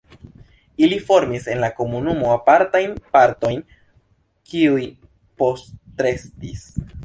Ili formis en la komunumo apartajn partojn, kiuj postrestis.